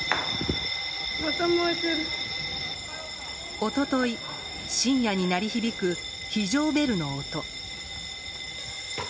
一昨日、深夜に鳴り響く非常ベルの音。